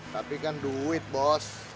tapi kan duit bos